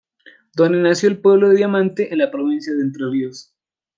Donda nació en el pueblo de Diamante, en la provincia de Entre Ríos.